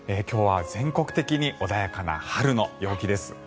今日は全国的に穏やかな春の陽気です。